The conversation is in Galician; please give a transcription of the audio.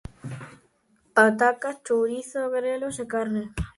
Pataca, chourizo, grelos e carne.